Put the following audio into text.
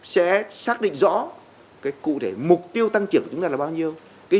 sẽ xác định rõ mục tiêu tăng trưởng của chúng ta là bao nhiêu